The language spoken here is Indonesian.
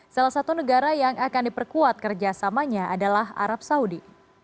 salah satu negara yang akan diperkuat kerjasamanya adalah arab saudi